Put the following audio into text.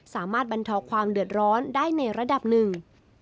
บรรเทาความเดือดร้อนได้ในระดับหนึ่ง